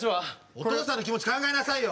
お父さんの気持ち考えなさいよ！